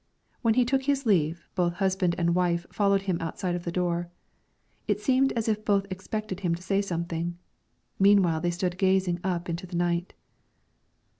When he took his leave, both husband and wife followed him outside of the door; it seemed as if both expected him to say something. Meanwhile, they stood gazing up into the night.